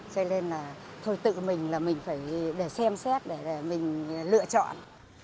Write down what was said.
cho nên là thôi tự mình là mình phải để xem xét để mình lựa chọn